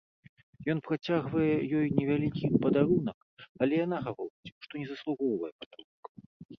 Ён працягвае ёй невялікі падарунак, але яна гаворыць, што не заслугоўвае падарункаў.